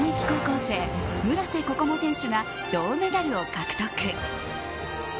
高校生村瀬心椛選手が銅メダルを獲得。